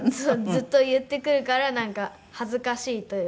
ずっと言ってくるからなんか恥ずかしいというか。